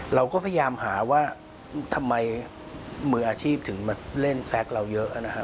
เราก็พยายามหาว่าทำไมมืออาชีพถึงมาเล่นแซคเราเยอะนะฮะ